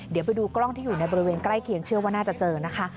เดี๋ยวไปดูกล้องที่อยู่ในบริเวณใกล้เคียงเชื่อว่าน่าจะเจอนะคะ